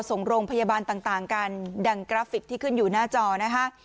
ส่งโรงพยาบาลต่างกันดังกราฟิกที่ขึ้นอยู่หน้าจอนะคะ